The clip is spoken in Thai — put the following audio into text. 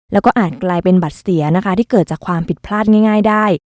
แล้วก็อาจกลายเป็นบัตรเสียนะคะที่เกิดจากความผิดพลาดง่ายได้